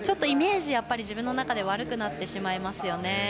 イメージが自分の中で悪くなってしまいますよね。